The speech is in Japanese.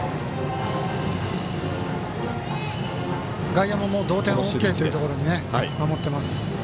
外野も同点ＯＫというところに守ってます。